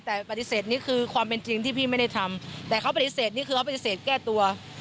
แต่ปฏิเสธนี้คือความเป็นจริงที่พี่ไม่ได้ทำแต่เขาปฏิเสธนี่คือเขาปฏิเสธแก้ตัว